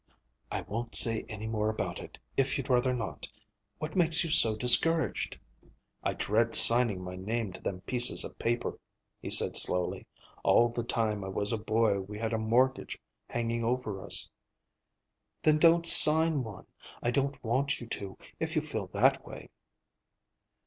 "I won't say any more about it, if you'd rather not. What makes you so discouraged?" "I dread signing my name to them pieces of paper," he said slowly. "All the time I was a boy we had a mortgage hanging over us." "Then don't sign one. I don't want you to, if you feel that way."